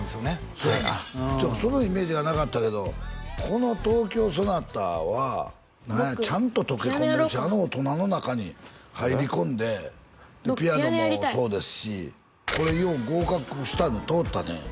そやねんちょっとそのイメージがなかったけどこの「トウキョウソナタ」はちゃんと溶け込んでるしあの大人の中に入り込んでピアノもそうですしこれよう合格したね通ったね